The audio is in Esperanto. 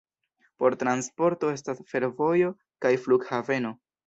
Por transporto estas fervojo kaj flughaveno.